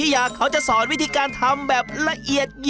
อย่างละ๒โลกครึ่ง